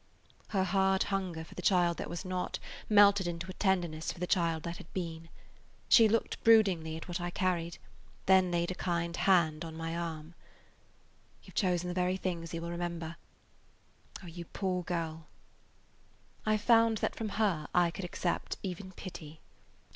Her hard hunger for the child that was not melted into a tenderness for the child that had been. She looked broodingly at what I carried, then laid a kind hand on my arm. "You 've chosen the very things he will remember. Oh, you poor girl!" I found that from her I could accept even pity.